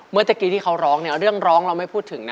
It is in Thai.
เมื่อกี้ที่เขาร้องเนี่ยเรื่องร้องเราไม่พูดถึงนะ